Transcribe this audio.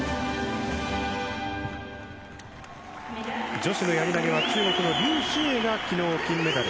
女子のやり投げは中国のリュウ・シエイが昨日、金メダル。